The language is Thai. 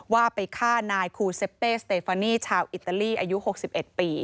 ว่าไปฆ่านายคูเซเปสเตฟานีชาวอิตาลีอายุ๖๑ปี